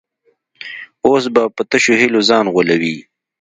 اوس په تشو هیلو ځان غولوي.